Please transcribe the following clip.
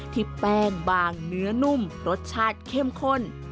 ที่แป้งบางเนื้อนุ่มรสชาติเข้มข้น